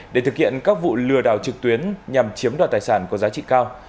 để thực hiện các vụ lừa đảo trực tuyến nhằm chiếm đoạt tài sản có giá trị cao